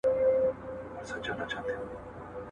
د غوښتو دارو، ورکړه دي.